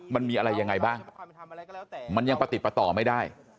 มันมีอะไรยังไงบ้างมันยังประติดประต่อไม่ได้